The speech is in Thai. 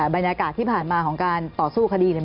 บรรยากาศที่ผ่านมาของการต่อเพื่อสู้คดี